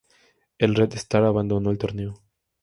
El Red Star abandonó el torneo.